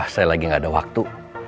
saya lagi gak ada waktu